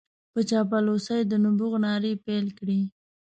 په چاپلوسۍ د نبوغ نارې پېل کړې.